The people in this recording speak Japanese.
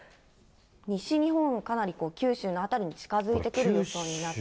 西日本、かなり九州の辺りに近づいてくる予想に。